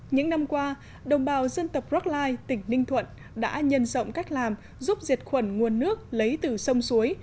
những năm qua đồng bào dân tộc rackline tỉnh ninh thuận đã nhân rộng cách làm giúp diệt khuẩn nguồn nước lấy từ sông suối